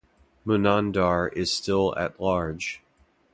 Munandar is still at large.